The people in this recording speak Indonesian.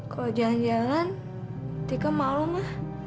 kalau jalan jalan tika mau ma